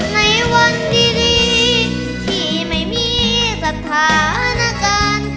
ในวันดีที่ไม่มีสถานการณ์